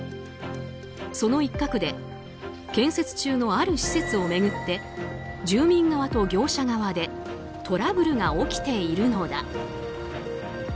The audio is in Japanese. その一角で建設中のある施設を巡って住民側と業者側でトラブルが起きているのだ。